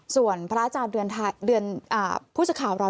ส่วนพระอาจารย์พุษข่าวเรา